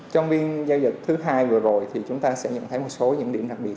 trong phiên giao dịch thứ hai vừa rồi thì chúng ta sẽ nhận thấy một số những điểm đặc biệt